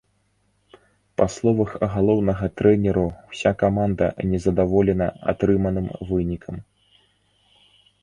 Па словах галоўнага трэнеру ўся каманда незадаволена атрыманым вынікам.